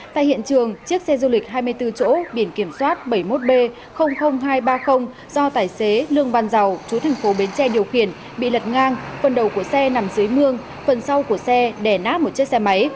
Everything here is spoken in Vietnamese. tại hiện trường chiếc xe du lịch hai mươi bốn chỗ biển kiểm soát bảy mươi một b hai trăm ba mươi do tài xế lương văn dầu chú thành phố bến tre điều khiển bị lật ngang phần đầu của xe nằm dưới mương phần sau của xe đẻ nát một chiếc xe máy